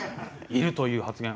「いる」という発言